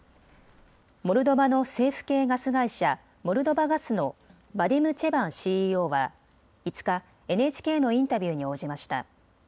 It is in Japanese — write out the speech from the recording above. モルドバの政府系ガス会社、モルドバガスのバディム・チェバンＣＥＯは５日、ＮＨＫのインタビューに応じました。